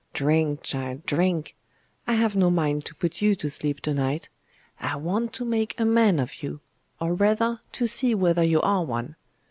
Drink, child, drink! I have no mind to put you to sleep to night! I want to make a man of you, or rather, to see whether you are one!